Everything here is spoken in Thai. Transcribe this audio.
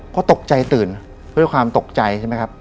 เขาตกใจตื่นเพราะความตกใจใช่มั้ยครับ